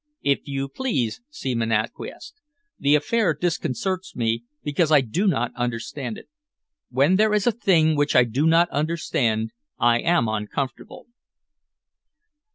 "If you please," Seaman acquiesced. "The affair disconcerts me because I do not understand it. When there is a thing which I do not understand, I am uncomfortable."